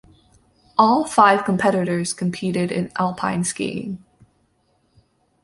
All five competitors competed in alpine skiing.